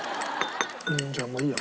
じゃあもういいや。